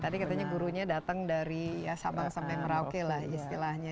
tadi katanya gurunya datang dari sabang sampai merauke lah istilahnya